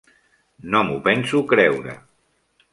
No m'ho penso creure.